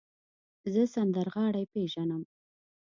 زه سندرغاړی پیژنم.